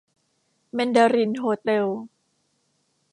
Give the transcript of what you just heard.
แมนดารินโฮเต็ล